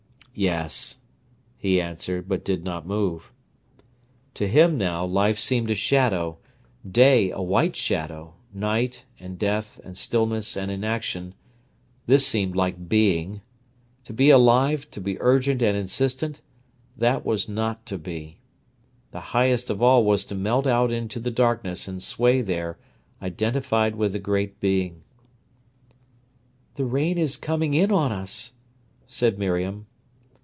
"Yes," he answered, but did not move. To him now, life seemed a shadow, day a white shadow; night, and death, and stillness, and inaction, this seemed like being. To be alive, to be urgent and insistent—that was not to be. The highest of all was to melt out into the darkness and sway there, identified with the great Being. "The rain is coming in on us," said Miriam.